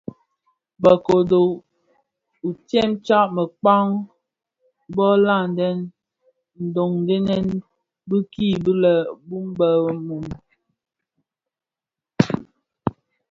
Be kodo tsëmtsa bekpag bō laden ndhoňdeňèn bikin bi lè bum bë mum.